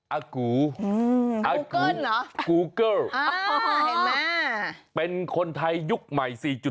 อากูอากูกูเกิ้ลเป็นคนไทยยุคใหม่๔๐